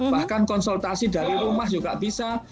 bahkan konsultasi dari rumah juga bisa